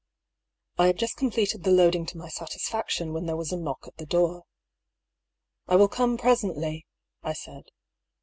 I had just completed the loading to my satisfaction when there was a knock at the door. " I will come presently," I said.